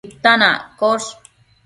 titan accosh